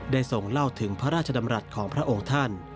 ส่งเล่าถึงพระราชดำรัฐของพระองค์ท่าน